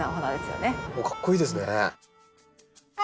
かっこいいですね。